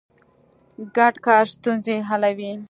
ګډ کار ستونزې حلوي.